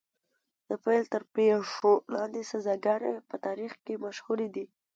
د پیل تر پښو لاندې سزاګانې په تاریخ کې مشهورې دي.